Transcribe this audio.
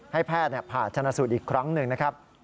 ให้แพทย์ผ่าชนะสูตรอีกครั้งหนึ่งนะครับ